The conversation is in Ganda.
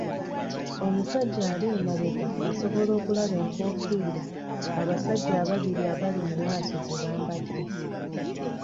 Omusajja ali emabega asobola okulaba enkofiira abasajja ababiri abali mu maaso ze bambadde.